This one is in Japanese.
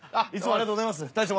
ありがとうございます。